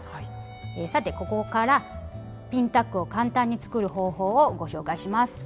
さてここからピンタックを簡単に作る方法をご紹介します。